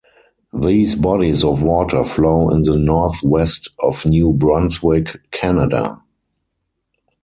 These bodies of water flow in the North-west of New Brunswick, Canada.